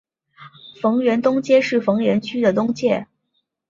逢源东街是逢源区的东界。